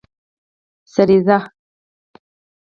سریزه